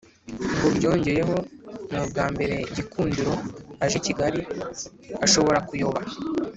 Ngo byongeyeho nubwambere Gikundiro aje I kigali ashobora kuyoba